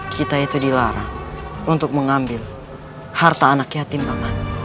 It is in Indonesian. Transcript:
kita itu dilarang untuk mengambil harta anak yatim pangan